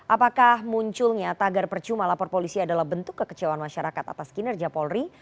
apakah munculnya tagar percuma lapor polisi adalah bentuk kekecewaan masyarakat atas kinerja polri